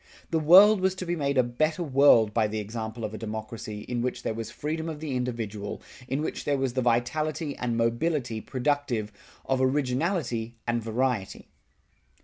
The world was to be made a better world by the example of a democracy in which there was freedom of the individual, in which there was the vitality and mobility productive of originality and variety.